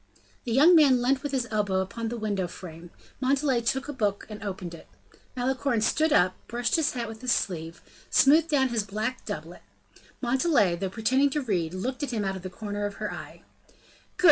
The young man leant with his elbow upon the window frame; Montalais took a book and opened it. Malicorne stood up, brushed his hat with his sleeve, smoothed down his black doublet; Montalais, though pretending to read, looked at him out of the corner of her eye. "Good!"